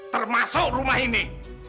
termasuk rumah ini